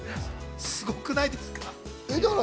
すごくないですか？